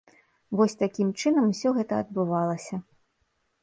Вось такім чынам усё гэта адбывалася.